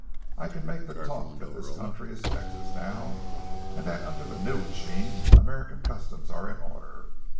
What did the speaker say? I can make the talk that this country is Texas now, and that under the new regime American customs are in order.